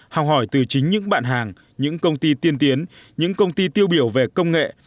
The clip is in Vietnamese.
học hỏi từ chính những bạn hàng những công ty tiên tiến những công ty tiêu biểu về công nghệ